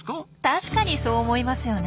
確かにそう思いますよね。